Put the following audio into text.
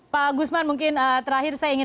pak gusman mungkin terakhir saya ingin